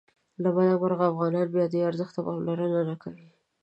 له بده مرغه افغانان بیا دې ارزښت ته پاملرنه نه کوي.